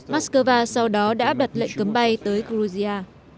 mắc cơ va sau đó đã đặt lệnh cấm bay tới georgia